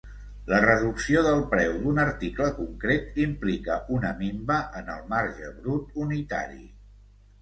La reducció del preu d'un article concret implica una minva en el marge brut unitari.